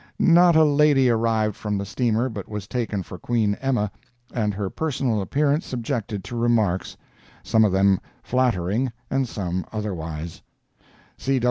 Not a lady arrived from the steamer but was taken for Queen Emma, and her personal appearance subjected to remarks—some of them flattering and some otherwise.